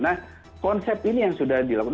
nah konsep ini yang sudah dilakukan